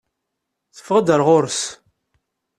Teffeɣ-d ɣer ɣur-s.